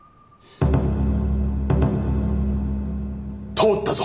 通ったぞ。